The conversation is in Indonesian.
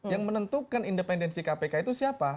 yang menentukan independensi kpk itu siapa